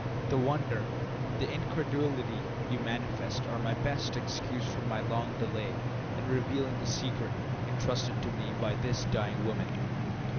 The wonder, the incredulity you manifest are my best excuse for my long delay in revealing the secret entrusted to me by this dying woman."